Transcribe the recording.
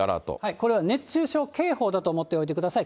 これは熱中症警報だと思っておいてください。